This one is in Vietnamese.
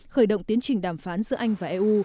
khởi động tiến trình đàm phán giữa anh và eu